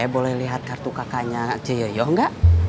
boleh lihat kartu kakaknya cuyo gak